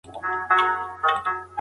د دې رنځېدلي ملت لپاره.